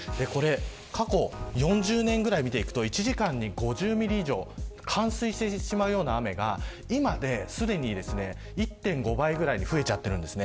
過去４０年ぐらいを見ていくと１時間に５０ミリ以上冠水してしまうような雨が今すでに１．５倍ぐらいに増えているんです。